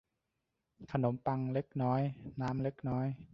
ขนมปังเล็กน้อยน้ำเล็กน้อย